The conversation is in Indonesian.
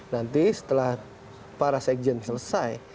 nanti setelah para sekjen selesai